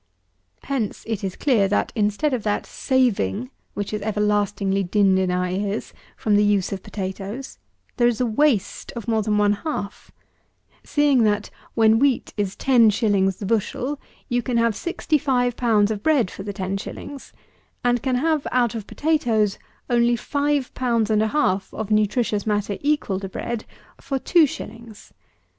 Hence it is clear, that, instead of that saving, which is everlastingly dinned in our ears, from the use of potatoes, there is a waste of more than one half; seeing that, when wheat is ten shillings (English) the bushel, you can have sixty five pounds of bread for the ten shillings; and can have out of potatoes only five pounds and a half of nutritious matter equal to bread for two shillings! (English.)